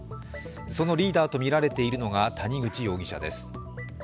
そのリーダーシップとみられているのが谷口容疑者です。